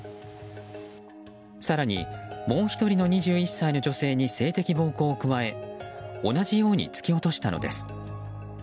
更に、もう１人の２１歳の女性に性的暴行を加え同じように突き落としたのです。